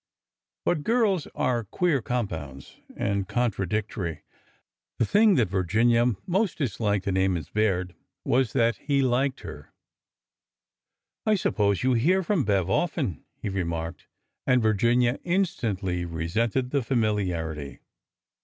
But girls are queer compounds— and contradictory. The thing that Virginia most disliked in Emmons Baird was that he liked her. " I suppose you hear from Bev often," he remarked ; and Virginia instantly resented the familiarity.